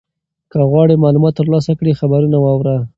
که غواړې معلومات ترلاسه کړې خبرونه واوره.